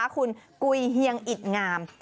คุณกุยเฮียงอิดงาม